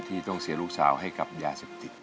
ที่ต้องเสียลูกสาวให้กับยาเสพติด